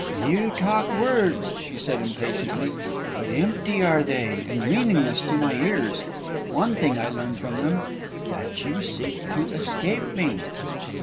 "You talk words," she said impatiently; "but empty are they, and meaningless to my ears. One thing I learn from them that you seek to escape me!"